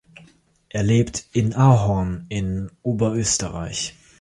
Er lebt in Ahorn in Oberösterreich.